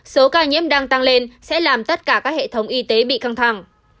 số ca nhiễm đang tăng lên sẽ làm tất cả các hệ thống y tế bị căng thẳng